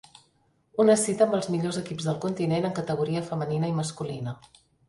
Una cita amb els millors equips del continent en categoria femenina i masculina.